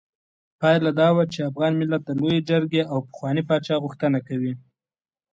پايله دا وه چې افغان ملت د لویې جرګې او پخواني پاچا غوښتنه کوي.